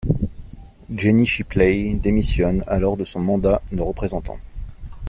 Jenny Shipley démissionne alors de son mandat de représentant.